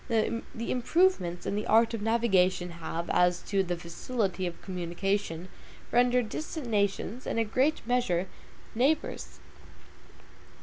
The improvements in the art of navigation have, as to the facility of communication, rendered distant nations, in a great measure, neighbors.